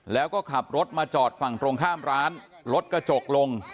แล้วก็ขับรถมาจอดฝั่งตรงข้ามร้านรถกระจกลง